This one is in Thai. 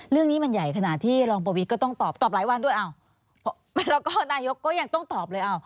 เรื่องนี้มันใหญ่ขนาดที่รองประวิทย์ก็ต้องตอบตอบหลายวันด้วยอ้าวแล้วก็นายกก็ยังต้องตอบเลย